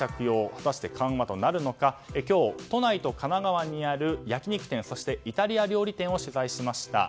果たして緩和となるのか今日、都内と神奈川にある焼き肉店、イタリア料理店を取材しました。